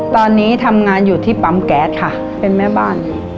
ตอนนี้ทำงานอยู่ที่ปั๊มแก๊สค่ะเป็นแม่บ้าน